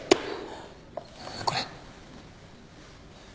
これ。